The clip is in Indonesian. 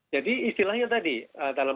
jadi istilahnya tadi dalam konteksnya